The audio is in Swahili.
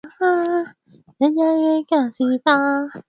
makabila ya kifugaji kwenye vita yamekuwa juu kulinganisha na wakulima